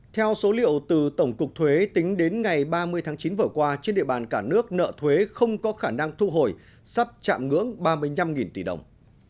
theo số liệu từ tổng cục thuế tính đến ngày ba mươi tháng chín vừa qua trên địa bàn cả nước nợ thuế không có khả năng thu hồi sắp chạm ngưỡng ba mươi năm tỷ đồng